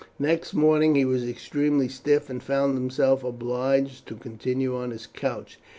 Next morning he was extremely stiff, and found himself obliged to continue on his couch.